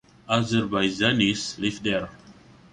Azerbaijanis live there.